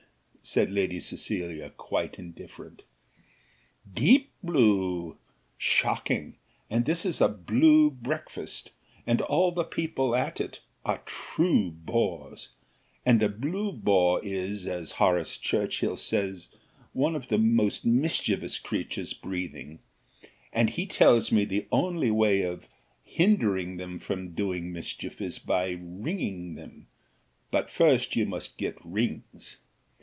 said Lady Cecilia, quite indifferent. "Deep blue! shocking: and this is a blue breakfast, and all the people at it are true bores, and a blue bore is, as Horace Churchill says, one of the most mischievous creatures breathing; and he tells me the only way of hindering them from doing mischief is by ringing them; but first you must get rings.